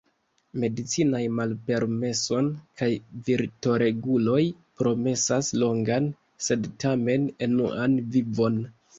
Medicinaj malpermesoj kaj virtoreguloj promesas longan sed tamen enuan vivon.